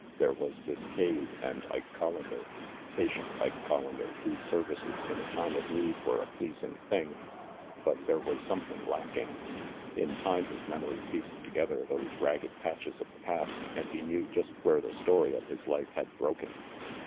There was this cave and Ike (Hollander patient Ike Collander, whose services in a time of need were a pleasing thing; but, there was something lacking. In time his memory pieced together those ragged patches of the past, and he knew just where the story of his life had broken.